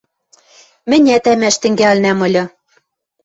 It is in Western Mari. Мӹнят ӓмӓш тӹнгӓлӹнӓм ыльы.